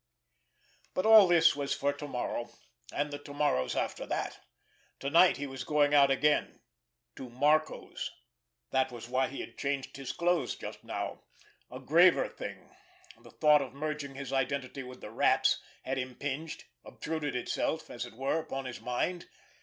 But all this was for to morrow—and the to morrows after that! To night he was going out again—to Marco's. That was why he had changed his clothes just now. A graver thing, the thought of merging his identity with the Rat's, had impinged, obtruded itself, as it were, upon his mind.